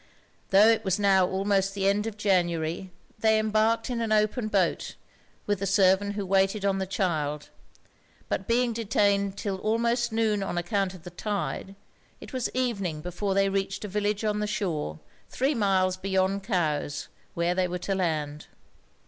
Tho' it was now almost the end of January, they embarked in an open boat, with the servant who waited on the child; but being detained 'till almost noon on account of the tide, it was evening before they reached a village on the shore, three miles beyond Cowes, where they were to land.